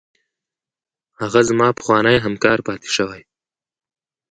هغه زما پخوانی همکار پاتې شوی.